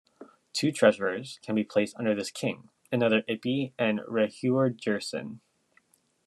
Two treasurers can be placed under this king: another Ipi and Rehuerdjersen.